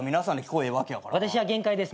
私は限界です。